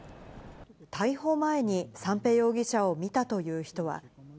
逮捕前に三瓶容疑者を見たという人は。